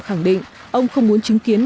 khẳng định ông không muốn chứng kiến